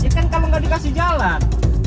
ikan kalau nggak dikasih jalan